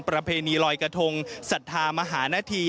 ประเพณีลอยกระทงศรัทธามหานาธี